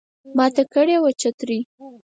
ماته کړي وه چترۍ